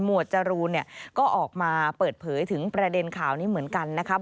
วดจรูนก็ออกมาเปิดเผยถึงประเด็นข่าวนี้เหมือนกันนะครับ